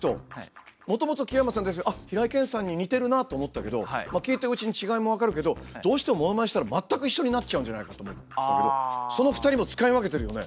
もともと木山さんって平井堅さんに似てるなって思ったけどまあ聴いているうちに違いも分かるけどどうしてもモノマネしたら全く一緒になっちゃうんじゃないかと思ったけどその２人も使い分けてるよね？